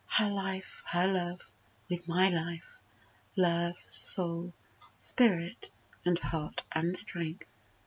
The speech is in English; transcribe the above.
her life, her love, With my life, love, soul, spirit and heart and strength.